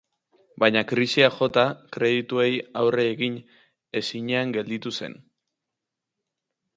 Baina krisiak jota, kredituei aurre egin ezinean gelditu zen.